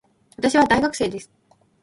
私は大学生です